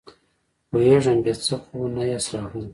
پوهېږم، بې څه خو نه ياست راغلي!